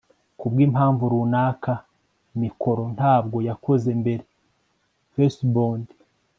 kubwimpamvu runaka mikoro ntabwo yakoze mbere fcbond